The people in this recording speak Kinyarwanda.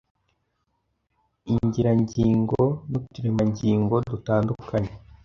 ingirangingo n’uturemangingo dutandukanye